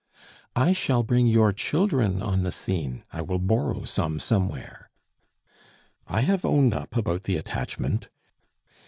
"I shall bring your children on the scene! I will borrow some somewhere." "I have owned up about the attachment."